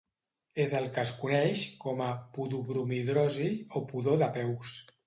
És el que es coneix com a podobromhidrosi o pudor de peus.